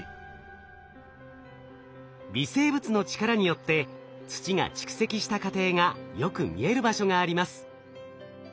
微生物の力によって土が蓄積した過程がよく見える場所があります。